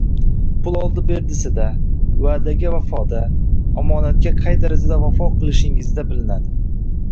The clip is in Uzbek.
pul oldi-berdisida, va’daga vafoda, omonatga qay darajada vafo qilishingizda bilinadi.